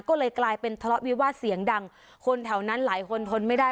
ก็เลยกลายเป็นทะเลาะวิวาสเสียงดังคนแถวนั้นหลายคนทนไม่ได้